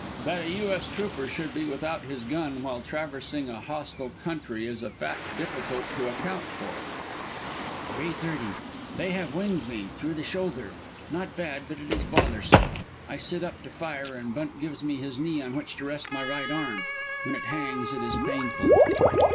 That a U. S. trooper should be without his gun while traversing a hostile country is a fact difficult to account for_.] "Three thirty. They have winged me through the shoulder. Not bad, but it is bothersome. I sit up to fire, and Bunt gives me his knee on which to rest my right arm. When it hangs it is painful.